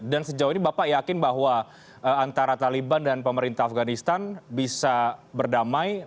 dan sejauh ini bapak yakin bahwa antara taliban dan pemerintah afghanistan bisa berdamai